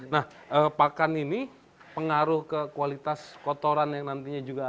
nah pakan ini pengaruh ke kualitas kotoran yang nantinya juga ada